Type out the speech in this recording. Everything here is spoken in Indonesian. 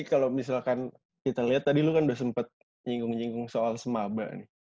kalau misalkan kita lihat tadi lo kan udah sempat nyinggung nyinggung soal semaba nih